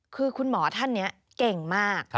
คือคุณหมอท่านนี้เก่งมาก